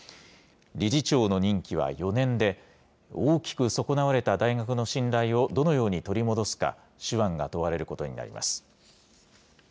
理事長の任期は４年で、大きく損なわれた大学の信頼をどのように取り戻すか、手腕が問われることになります。